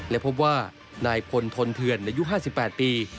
และพบว่านายพลทนเทือนอายุ๕๘ปี